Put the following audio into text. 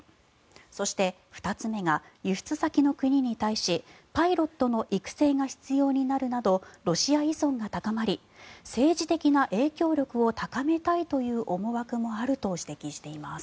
そして、２つ目が輸出先の国に対しパイロットの育成が必要になるなどロシア依存が高まり政治的な影響力を高めたいという思惑もあると指摘しています。